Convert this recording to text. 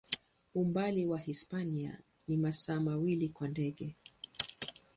Umbali na Hispania ni masaa mawili kwa ndege.